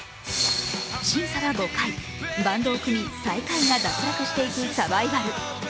審査は５回、バンドを組み最下位が脱落していくサバイバル。